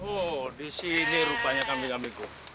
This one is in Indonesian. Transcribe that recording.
oh di sini rupanya kambing kambingku